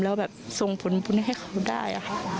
แล้วแบบทรงผลบุญให้เขาได้